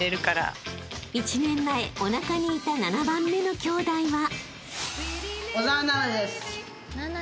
［１年前おなかにいた７番目のきょうだいは］